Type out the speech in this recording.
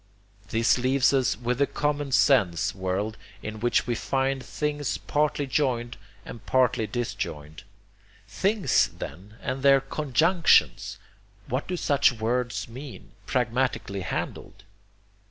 This leaves us with the common sense world, in which we find things partly joined and partly disjoined. 'Things,' then, and their 'conjunctions' what do such words mean, pragmatically handled?